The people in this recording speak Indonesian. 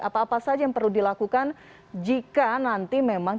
apa apa saja yang perlu dilakukan jika nanti memang